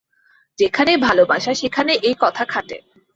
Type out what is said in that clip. যেখানেই ভালবাসা, সেখানেই এ-কথা খাটে।